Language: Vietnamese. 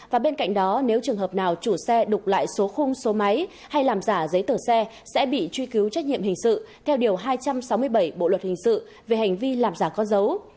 và bên cạnh đó nếu trường hợp nào chủ xe đục lại số khung số máy hay làm giả giấy tờ xe sẽ bị truy cứu trách nhiệm hình sự theo điều hai trăm sáu mươi bảy bộ luật hình sự về hành vi làm giả con dấu